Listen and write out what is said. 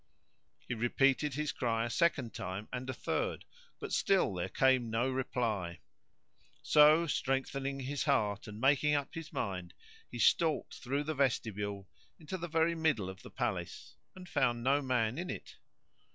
He repeated his cry a second time and a third but still there came no reply; so strengthening his heart and making up his mind he stalked through the vestibule into the very middle of the palace and found no man in it.